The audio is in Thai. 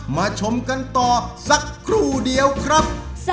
ชมกันต่อสักครู่เดียวครับ